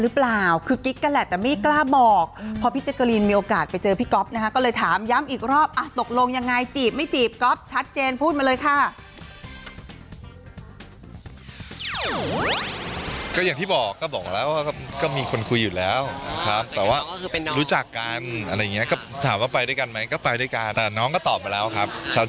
ไปเจอพี่ก๊อฟนะฮะแล้วเลยถามย้ำอีกรอบตกลงยังไงจีบไม่จีบก๊อฟชัดเจนพูดมาเลยค่ะ